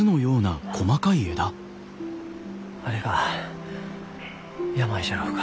あれが病じゃろうか？